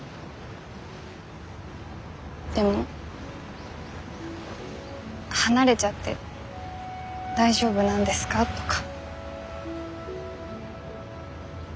でも離れちゃって大丈夫なんですかとか。